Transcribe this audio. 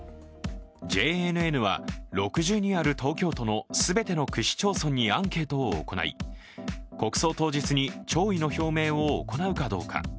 ＪＮＮは６２ある東京都の全ての区市町村にアンケートを行い、国葬当日に弔意の表明を行うかどうか。